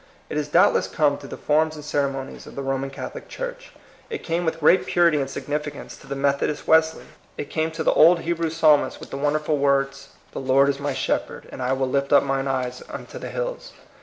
It has doubtless come through the forms and ceremonies of the Roman Catholic Church. It came with great purity and significance to the Metho dist Wesley ; it came to the old Hebrew Psalmists with the wonderful words, ^' The Lord is my shepherd," and ^^I will lift up mine eyes unto the hills.